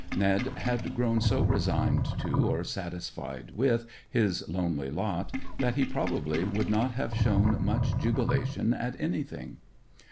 Ned had grown so resigned to, or satisfied with, his lonely lot, that he probably would not have shown much jubilation at anything.